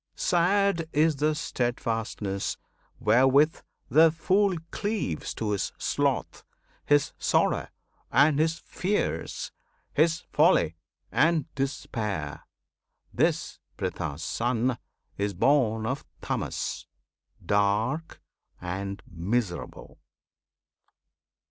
Sad is the steadfastness wherewith the fool Cleaves to his sloth, his sorrow, and his fears, His folly and despair. This Pritha's Son! Is born of Tamas, "dark" and miserable!